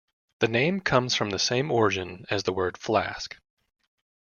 The name comes from the same origin as the word "flask".